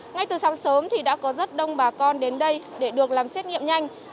ngay từ sáng sớm thì đã có rất đông bà con đến đây để được làm xét nghiệm nhanh